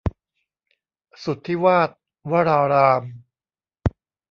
สุทธิวาตวราราม